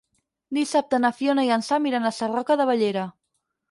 Dissabte na Fiona i en Sam iran a Sarroca de Bellera.